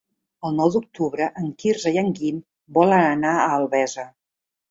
El nou d'octubre en Quirze i en Guim volen anar a Albesa.